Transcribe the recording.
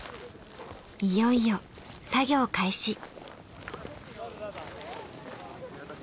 いよいよ作業開始。